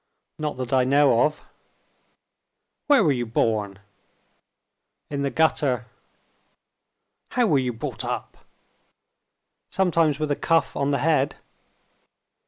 "Not that I know of." "Where were you born?" "In the gutter." "How were you brought up?" "Sometimes with a cuff on the head."